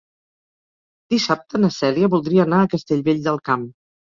Dissabte na Cèlia voldria anar a Castellvell del Camp.